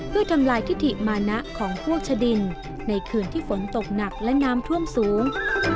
เพื่อทำลายทิติมานะของพวกชะดินในคืนที่ฝนตกหนักและน้ำท่วมสูง